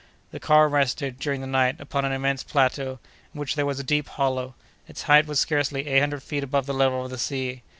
The car rested, during the night, upon an immense plateau, in which there was a deep hollow; its height was scarcely eight hundred feet above the level of the sea.